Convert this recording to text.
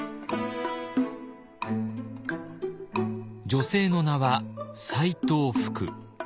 女性の名は斎藤福。